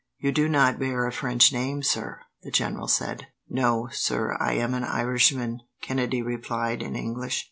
"You do not bear a French name, sir," the general said. "No, sir, I am an Irishman," Kennedy replied, in English.